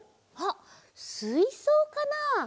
あっすいそうかな？